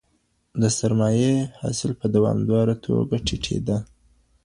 د سرمايې حاصل په دوامداره توګه ټيټيده.